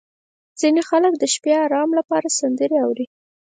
• ځینې خلک د شپې د ارام لپاره سندرې اوري.